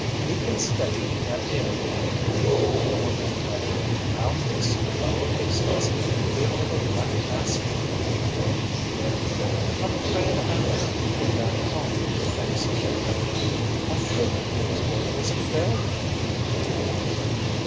"Ye kin stay and have dinner with me," the woman invited. "I'll fix some flour biscuits and we'll have a right nice meal." "I'm afraid I'll have to get back home," Penny said regretfully. "My trip here today was a failure."